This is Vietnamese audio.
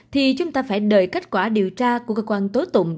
thì chúng ta phải đợi kết quả điều tra của cơ quan tố tụng